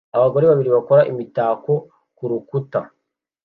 Abagore babiri bakora imitako kurukuta